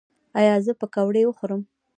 ایا زه پکوړې وخورم؟